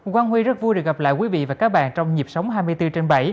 quang huy rất vui được gặp lại quý vị và các bạn trong nhịp sống hai mươi bốn trên bảy